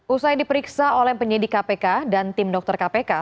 usai diperiksa oleh penyidik kpk dan tim dokter kpk